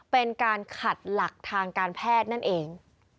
เป็นการขัดหลักทางการแพทย์นั่นเอง